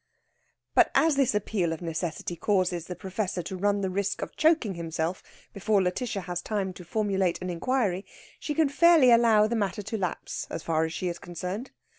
But as this appeal of necessity causes the Professor to run the risk of choking himself before Lætitia has time to formulate an inquiry, she can fairly allow the matter to lapse, as far as she is concerned.